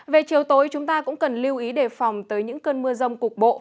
về chiều tối chúng ta cũng cần lưu ý đề phòng tới những cơn mưa rông cục bộ